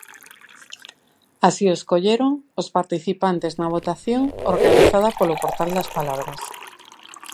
Así o escolleron os participantes na votación organizada polo Portal das Palabras.